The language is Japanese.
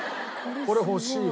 これ欲しいよ。